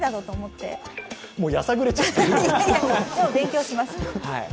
今日勉強します。